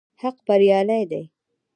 حق بريالی دی